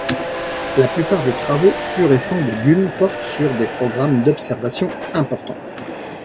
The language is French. La plupart des travaux plus récents de Gunn portent sur des programmes d'observation importants.